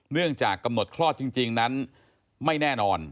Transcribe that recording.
เนื่องจากกำหนดคลอดจริงนั้นไม่แน่นอน